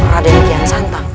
raden kian santang